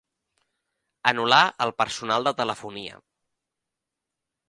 Anul·lar el personal de telefonia.